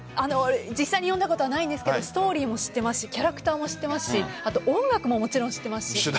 実際に読んだことはないんですがストーリーも知ってますしキャラクターも知っていますし音楽も、もちろん知っています。